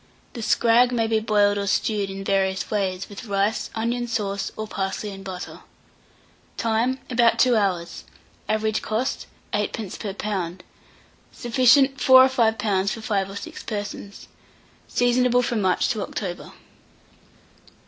The scrag may be boiled or stewed in various ways, with rice, onion sauce, or parsley and butter. Time. About 2 hours. Average cost, 8d. per lb. Sufficient. 4 or 5 lbs. for 5 or 6 persons. Seasonable from March to October.